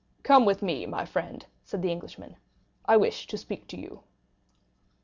"Come with me, my friend," said the Englishman; "I wish to speak to you."